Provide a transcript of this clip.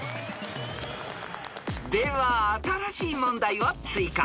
［では新しい問題を追加］